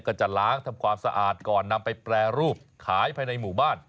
ก็จะล้างทำความสะอาดก่อนนำไปแปรรูปขายภายในหมู่บ้าน